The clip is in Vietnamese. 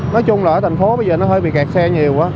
nói chung là ở thành phố bây giờ nó hơi bị kẹt xe nhiều quá